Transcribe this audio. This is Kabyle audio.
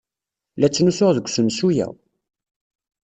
La ttnusuɣ deg usensu-a.